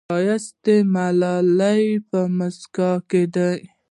ښایست د ملالې په موسکا کې دی